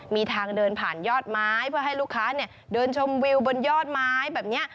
มีทางเดินผ่านยอดไม้เพื่อให้ลูกค้าเดินชมวิวบนยอดไม้แบบนี้